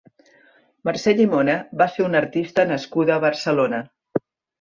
Mercè Llimona va ser una artista nascuda a Barcelona.